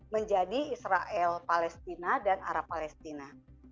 menjadi israel palestina dan arab palestina